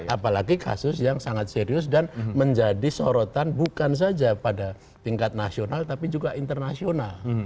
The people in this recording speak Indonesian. apalagi kasus yang sangat serius dan menjadi sorotan bukan saja pada tingkat nasional tapi juga internasional